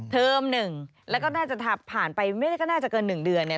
เทอมหนึ่งแล้วก็น่าจะผ่านไปไม่ได้ก็น่าจะเกิน๑เดือนเนี่ย